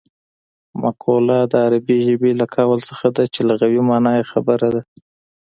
مقوله د عربي ژبې له قول څخه ده چې لغوي مانا یې خبره ده